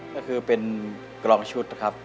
ก็คือเป็นกรองชุดครับ